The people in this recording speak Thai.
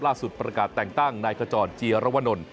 ล่าสุดประกาศแต่งตั้งนายกระจ่อนเจียรวรณน